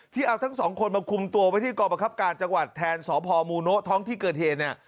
เอาทั้งสองคนมาคุมตัวไว้ที่กรประคับการจังหวัดแทนสพมูโนะท้องที่เกิดเหตุเนี่ย